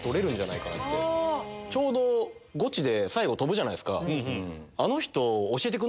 ちょうどゴチで最後飛ぶじゃないですか。